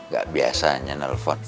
gak biasanya nelfon